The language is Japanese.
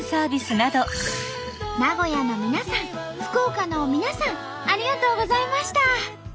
名古屋の皆さん福岡の皆さんありがとうございました！